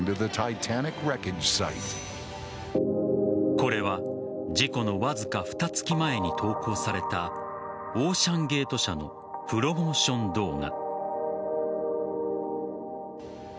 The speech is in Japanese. これは事故のわずかふた月前に投稿されたオーシャンゲート社のプロモーション動画。